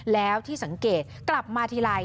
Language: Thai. แล้วที่สังเกตกลับมาทีไร